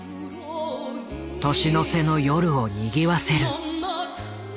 年の瀬の夜をにぎわせる。